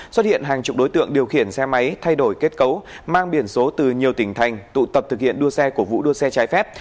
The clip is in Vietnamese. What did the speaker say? xuất hiện hàng chục đối tượng điều khiển xe máy thay đổi kết cấu mang biển số từ nhiều tỉnh thành tụ tập thực hiện đua xe cổ vũ đua xe trái phép